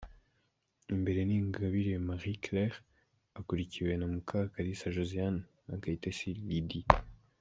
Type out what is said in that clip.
Imbere ni Ingabire Marie Claire akurikiwe na Mukakalisa Josiane na Kayitesi Lydie